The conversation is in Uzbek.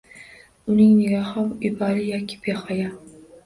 Uning nigohi iboli yoki behayo